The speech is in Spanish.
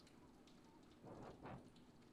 Miracle, aunque esta vez no escaparía.